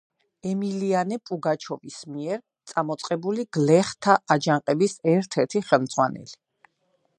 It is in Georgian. ემილიანე პუგაჩოვის მიერ წამოწყებული გლეხთა აჯანყების ერთ-ერთი ხელმძღვანელი.